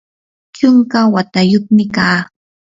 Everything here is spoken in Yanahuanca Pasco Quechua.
chunka watayuqmi kaa.